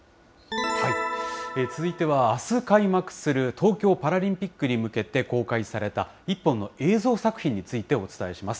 続いてはあす開幕する東京パラリンピックに向けて公開された一本の映像作品についてお伝えします。